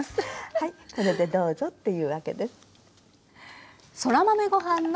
はいこれでどうぞっていうわけです。